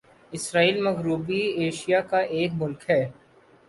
اسرائیل مغربی ایشیا کا ایک ملک ہے